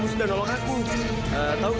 modes dengan jaman elektronik